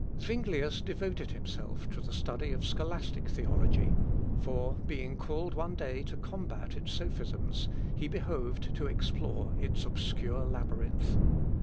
] Zuinglius devoted himself to the study of scholastic theology; for, being called one day to combat its sophisms, he behoved to explore its obscure labyrinth.